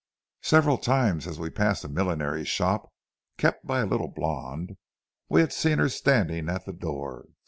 "Several times as we passed a millinery shop, kept by a little blonde, we had seen her standing at the door.